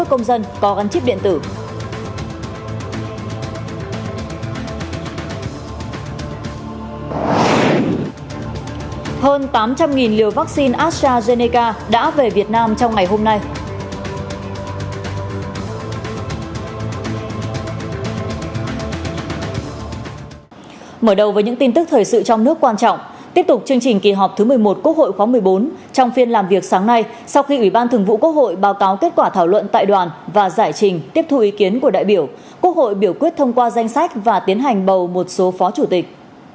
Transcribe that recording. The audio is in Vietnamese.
tiếp tục chương trình kỳ họp thứ một mươi một quốc hội khóa một mươi bốn trong phiên làm việc sáng nay sau khi ủy ban thường vụ quốc hội báo cáo kết quả thảo luận tại đoàn và giải trình tiếp thu ý kiến của đại biểu quốc hội biểu quyết thông qua danh sách và tiến hành bầu một số phó chủ tịch